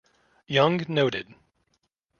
Young noted.